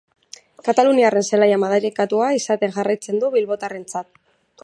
Kataluniarren zelaia madarikatua izaten jarraitzen du bilbotarrentzat.